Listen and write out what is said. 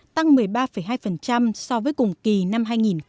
tăng một mươi ba hai so với cùng kỳ năm hai nghìn một mươi tám